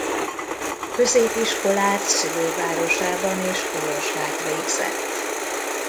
Középiskolát szülővárosában és Kolozsvárt végzett.